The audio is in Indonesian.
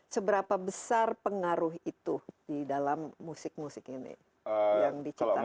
seberapa besar pengaruh itu di dalam musik musik ini yang diciptakan